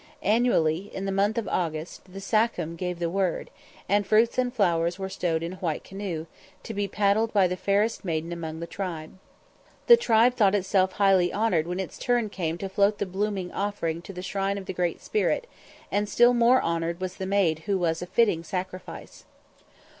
Annually, in the month of August, the sachem gave the word, and fruits and flowers were stowed in a white canoe, to be paddled by the fairest maiden among the tribes. The tribe thought itself highly honoured when its turn came to float the blooming offering to the shrine of the Great Spirit, and still more honoured was the maid who was a fitting sacrifice.